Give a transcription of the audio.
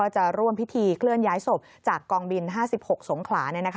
จะร่วมพิธีเคลื่อนย้ายศพจากกองบิน๕๖สงขลา